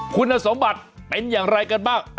คุณสมบัติเป็นอย่างไรกันบ้าง